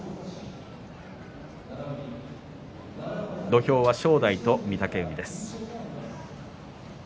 土俵は正代と御嶽海です。